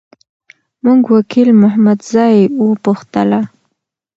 موږ وکیل محمدزی وپوښتله.